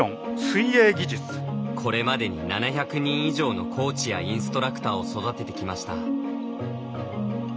これまでに７００人以上のコーチやインストラクターを育ててきました。